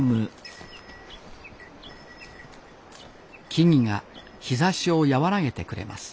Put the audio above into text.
木々が日ざしを和らげてくれます。